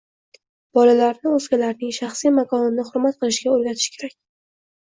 Bolalarni o‘zgalarning shaxsiy makonini hurmat qilishga o‘rgatish kerak